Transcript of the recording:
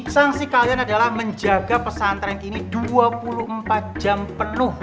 sangsi kalian adalah menjaga pesantren ini dua puluh empat jam penuh